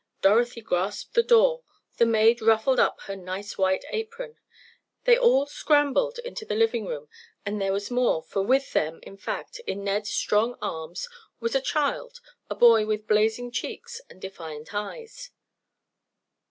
Dorothy grasped the door. The maid ruffled up her nice white apron! They all scrambled into the living room and there was more, for with them, in fact, in Ned's strong arms, was a child, a boy with blazing cheeks and defiant eyes.